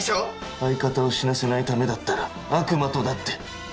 相方を死なせないためだったら悪魔とだって取引しますよ。